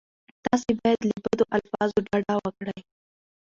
تاسې باید له بدو الفاظو ډډه وکړئ.